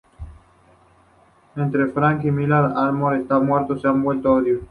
Entre Franck y Miriam, el amor está muerto; se ha vuelto odio.